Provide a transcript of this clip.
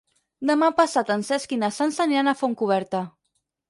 Demà passat en Cesc i na Sança aniran a Fontcoberta.